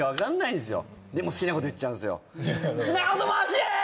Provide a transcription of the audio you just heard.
でも好きなこと言っちゃうんですよ。